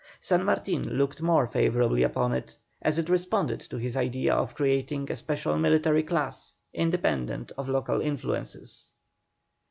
San Martin looked more favourably upon it, as it responded to his idea of creating a special military class independent of local influences.